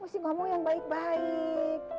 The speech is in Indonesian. mesti ngomong yang baik baik